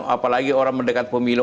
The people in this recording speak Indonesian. apalagi orang mendekat pemilih